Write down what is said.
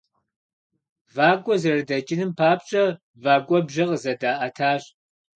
Вакӏуэ зэрыдэкӏыным папщӏэ вэкӏуэбжьэ къызэдаӏэтащ.